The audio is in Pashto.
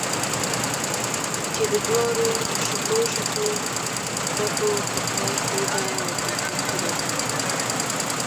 چې د جوارو شخو شخو ډکو پښه څو ځایه ور زخمي کړې وه.